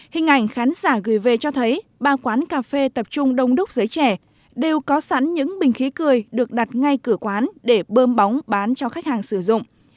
hình ảnh khán giả gửi về cho thấy ba quán cà phê tập trung đông đúc giới trẻ đều có sẵn những bình khí cười được đặt ngay cửa quán để bơm bóng bán cho khách hàng sử dụng